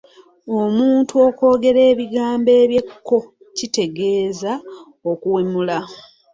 Omuntu okwogera ebigambo eby'ekko kitegeeza okuwemula.